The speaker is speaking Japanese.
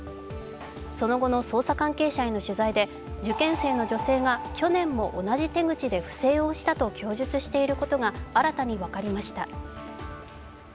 その後の捜査関係者への取材で受験生の女性が去年も同じ手口で不正をしたと供述していることが新たに分かりました。